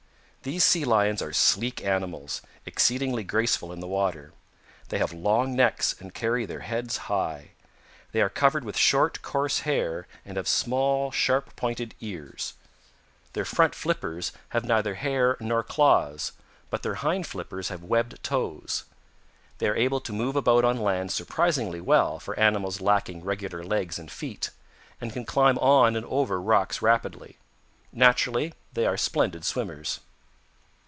These Sea Lions are sleek animals, exceedingly graceful in the water. They have long necks and carry their heads high. They are covered with short coarse hair and have small, sharp pointed ears. Their front flippers have neither hair nor claws, but their hind flippers have webbed toes. They are able to move about on land surprisingly well for animals lacking regular legs and feet, and can climb on and over rocks rapidly. Naturally they are splendid swimmers.